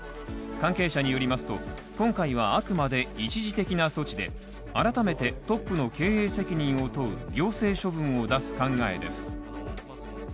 関係者によりますと今回はあくまで一時的な措置で改めてトップの経営責任を問う行政処分を出す考えです